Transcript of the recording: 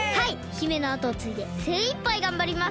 姫のあとをついでせいいっぱいがんばります！